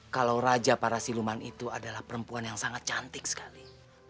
kalau raja para siluman itu adalah perempuan yang sangat cantik sekali